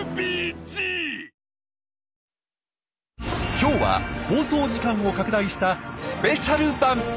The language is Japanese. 今日は放送時間を拡大したスペシャル版！